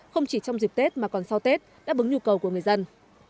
không chỉ trong dịp tết mà còn sau tết đáp ứng nhu cầu của người dân